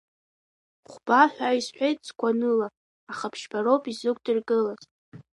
Хәба ҳәа исҳәеит сгәаныла, аха ԥшьба роуп исзықәдыргылаз…